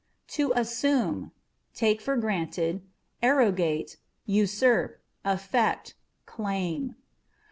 To Assume â€" take for granted, arrogate, usurp, affect ; claim.